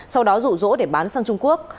sau đó rủ rỗ để bán sang trung quốc